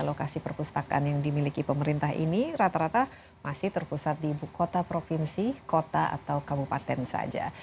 lokasi perpustakaan yang dimiliki pemerintah ini rata rata masih terpusat di ibu kota provinsi kota atau kabupaten saja